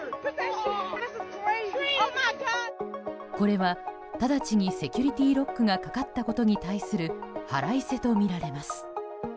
これは直ちにセキュリティーロックがかかったことに対する腹いせとみられます。